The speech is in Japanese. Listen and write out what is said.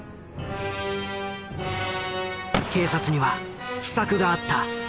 警察には秘策があった。